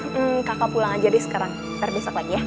hmm kakak pulang aja deh sekarang ntar besok lagi ya